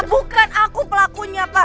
bukan aku pelakunya pak